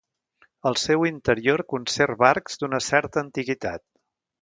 Al seu interior conserva arcs d'una certa antiguitat.